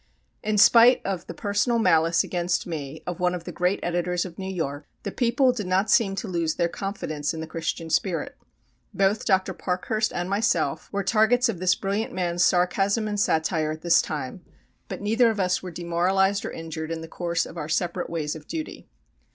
In spite of the personal malice against me of one of the great editors of New York, the people did not seem to lose their confidence in the Christian spirit. Both Dr. Parkhurst and myself were the targets of this brilliant man's sarcasm and satire at this time, but neither of us were demoralised or injured in the course of our separate ways of duty.